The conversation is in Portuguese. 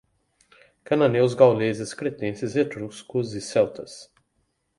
Cananeus, gauleses, cretenses, etruscos, celtas